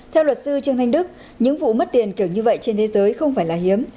theo luật sư trương thanh đức những vụ mất tiền kiểu như vậy trên thế giới không phải là hiếm